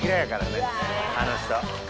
あの人。